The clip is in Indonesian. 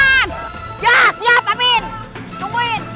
apakah kamu berani setup love